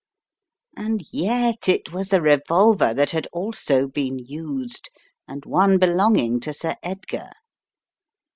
"And yet, it was a revolver that had also been used, and one belonging to Sir Edgar.